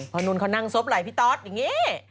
เพราะนุ่นเขานั่งซบไหล่พี่ตอสอย่างนี้